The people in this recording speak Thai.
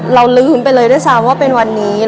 เรารืมไปเลยได้ทั้งท้าว้าววันนี้